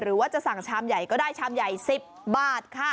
หรือว่าจะสั่งชามใหญ่ก็ได้ชามใหญ่๑๐บาทค่ะ